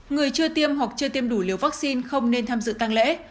người chưa tiêm hoặc chưa tiêm đủ liều vaccine không nên tham dự tăng lễ